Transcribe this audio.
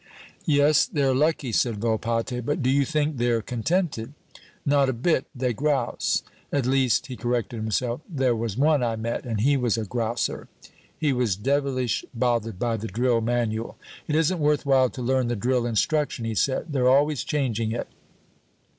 "Yes, they're lucky," said Volpatte, "but do you think they're contented? Not a bit; they grouse. At least," he corrected himself, "there was one I met, and he was a grouser. He was devilish bothered by the drill manual. 'It isn't worth while to learn the drill instruction,' he said, 'they're always changing it.